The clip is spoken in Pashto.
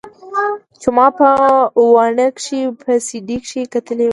چې ما په واڼه کښې په سي ډي کښې کتلې وه.